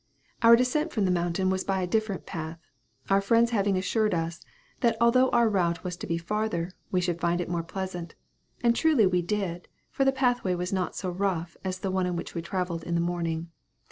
Our descent from the mountain was by a different path our friends having assured us, that although our route would be farther, we should find it more pleasant; and truly we did for the pathway was not so rough as the one in which we travelled in the morning.